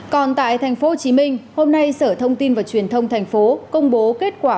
còn tại tp hcm hôm nay sở thông tin và truyền thông tp hcm công bố kết quả